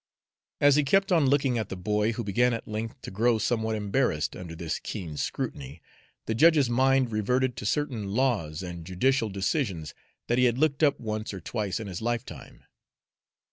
As he kept on looking at the boy, who began at length to grow somewhat embarrassed under this keen scrutiny, the judge's mind reverted to certain laws and judicial decisions that he had looked up once or twice in his lifetime.